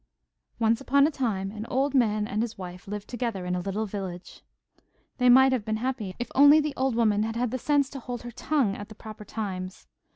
Once upon a time an old man and his wife lived together in a little village. They might have been happy if only the old woman had had the sense to hold her tongue at proper times.